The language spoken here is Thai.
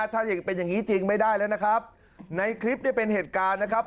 ถ้าอย่างเป็นอย่างนี้จริงไม่ได้แล้วนะครับในคลิปนี้เป็นเหตุการณ์นะครับ